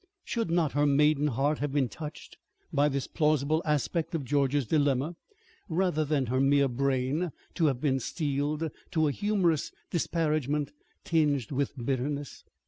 Should not her maiden heart have been touched by this plausible aspect of George's dilemma, rather than her mere brain to have been steeled to a humorous disparagement tinged with bitterness?